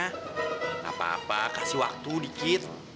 tidak apa apa kasih waktu dikit